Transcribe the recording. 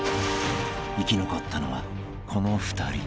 ［生き残ったのはこの２人］